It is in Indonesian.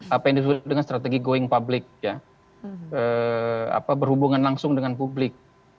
apa yang disebut dengan strategi going public ya berhubungan langsung dengan publik